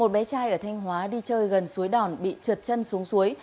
một bé trai ở thanh hóa đi chơi gần suối đòn bị trượt chân xuống suối